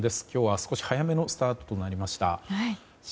今日は少し早めのスタートとなりました。